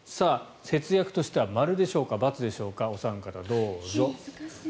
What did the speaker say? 節約としては○でしょうか×でしょうかお三方、どうぞ。